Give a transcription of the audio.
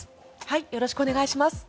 よろしくお願いします。